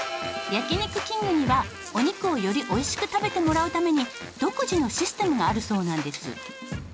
焼肉きんぐにはお肉をよりおいしく食べてもらうために独自のシステムがあるそうなんです。